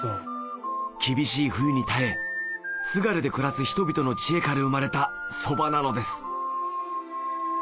厳しい冬に耐え津軽で暮らす人々の知恵から生まれたそばなのです